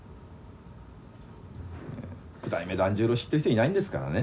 九代目團十郎知ってる人いないんですからね。